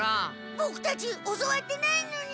ボクたち教わってないのに！